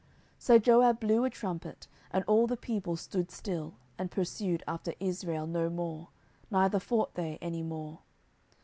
10:002:028 So Joab blew a trumpet, and all the people stood still, and pursued after Israel no more, neither fought they any more.